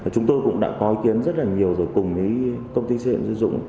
chúng tôi cũng đã có ý kiến rất là nhiều rồi cùng với công ty xây dựng